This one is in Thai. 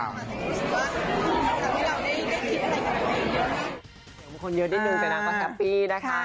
มีคนเยอะนิดนึงแต่นางตัวกับปีนะคะ